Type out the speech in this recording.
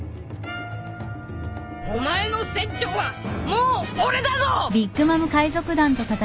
お前の船長はもう俺だぞ！